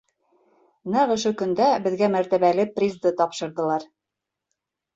Нәҡ ошо көндә беҙгә мәртәбәле призды тапшырҙылар.